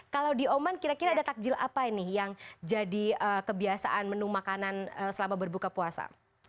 kalau di oman kira kira ada takjil apa ini yang jadi kebiasaan menu makanan selama berbuka puasa